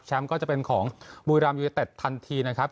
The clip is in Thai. แชมป์ก็จะเป็นของบุรีรัมยุยเตะทันทีนะครับ